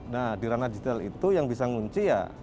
nah di ranah digital itu yang bisa ngunci ya